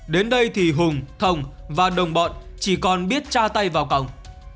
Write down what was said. đến đây thì hùng thông và đồng bọn chỉ còn biết tra tay vào cổng